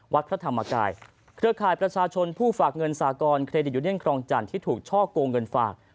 วัดพระธรรมกายเครือข่ายประชาชนผู้ฝากเงินสากรเครดิตยูเนียนครองจันทร์ที่ถูกช่อกงเงินฝาก